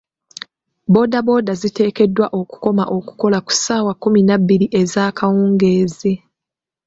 Boodabooda ziteekeddwa okukoma okukola ku ssaawa kkumi na bbiri, ezaakawungeezi.